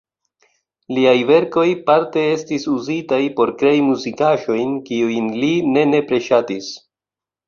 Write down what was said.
Liaj verkoj parte estis uzitaj por krei muzikaĵojn, kiujn li ne nepre ŝatis.